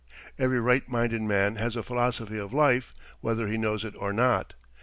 Every right minded man has a philosophy of life, whether he knows it or not.